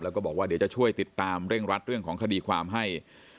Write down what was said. แล้วก็บอกว่าเดี๋ยวจะช่วยติดตามเร่งรัดเรื่องของคดีความให้